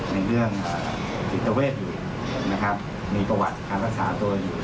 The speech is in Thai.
ในเรื่องจิตเวทอยู่นะครับมีประวัติการรักษาตัวอยู่